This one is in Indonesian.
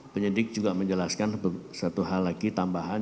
penyidik juga menjelaskan satu hal lagi tambahan